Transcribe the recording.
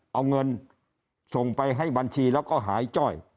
เอาเงินส่งไปให้บัญชีแล้วก็หายจ้อย